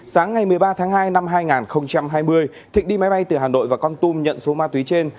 sáng ngày một mươi ba tháng hai năm hai nghìn hai mươi thịnh đi máy bay từ hà nội và con tum nhận số ma túy trên